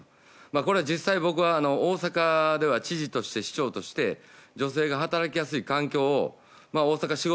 これは実際、僕は大阪では知事として、市長として女性が働きやすい環境をＯＳＡＫＡ